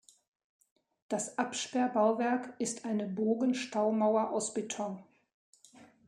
Das Absperrbauwerk ist eine Bogenstaumauer aus Beton.